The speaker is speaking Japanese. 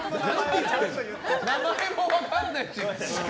名前も分からないし。